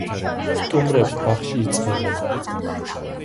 სტუმრებს ბაღში იწვევენ.